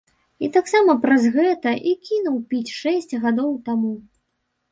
І таксама праз гэта і кінуў піць шэсць гадоў таму.